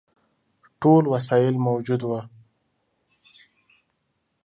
ټول وسایل موجود وه.